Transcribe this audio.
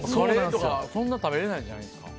そんな食べられないんじゃないですか。